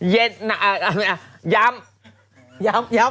ย้ำ